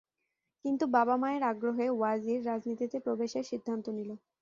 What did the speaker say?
কিন্তু বাবা-মায়ের আগ্রহে ওয়াজির রাজনীতিতে প্রবেশের সিদ্ধান্ত নিল।